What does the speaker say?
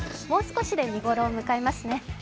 もう少しで見ごろを迎えますね。